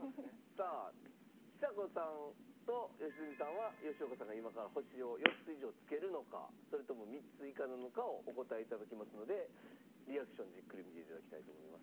さあちさ子さんと良純さんは吉岡さんが今から星を４つ以上つけるのかそれとも３つ以下なのかをお答え頂きますのでリアクションじっくり見て頂きたいと思います。